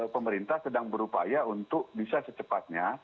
pemerintah sedang berupaya untuk bisa secepatnya